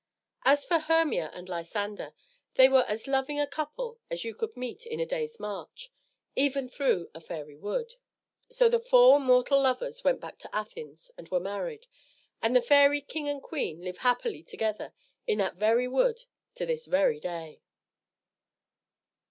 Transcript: As for Hermia and Lysander, they were as loving a couple as you could meet in a day's march, even through a fairy wood. So the four mortal lovers went back to Athens and were married; and the fairy king and queen live happily together in that very wood at this very day.